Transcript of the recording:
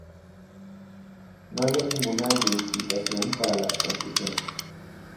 No había ninguna licitación para las concesiones.